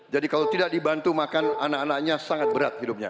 jadi kalau tidak dibantu makan anak anaknya sangat berat hidupnya